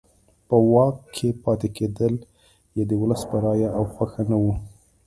په واک کې پاتې کېدل یې د ولس په رایه او خوښه نه وو.